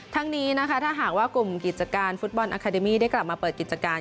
ทั้งนี้นะคะถ้าหากว่ากลุ่มกิจการฟุตบอลอาคาเดมี่ได้กลับมาเปิดกิจการ